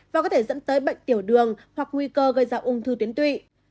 và có thể dẫn tới bệnh tiểu đường hoặc nguy cơ gây ra ung thư tuyến tụy